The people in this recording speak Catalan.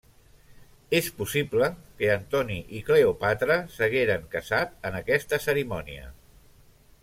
És possible que Antoni i Cleòpatra s'hagueren casat en aquesta cerimònia.